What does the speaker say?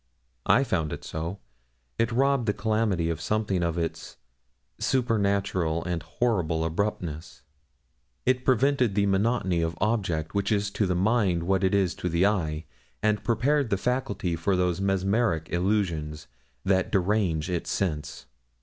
I found it so. It robbed the calamity of something of its supernatural and horrible abruptness; it prevented that monotony of object which is to the mind what it is to the eye, and prepared the faculty for those mesmeric illusions that derange its sense.